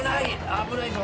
危ないぞ。